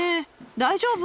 大丈夫？